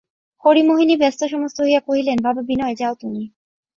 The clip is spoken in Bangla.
হরিমোহিনী ব্যস্তসমস্ত হইয়া কহিলেন, বাবা বিনয়, যাও তুমি।